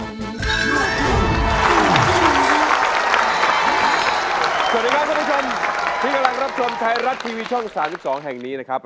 สวัสดีครับท่านผู้ชมที่กำลังรับชมไทยรัฐทีวีช่อง๓๒แห่งนี้นะครับ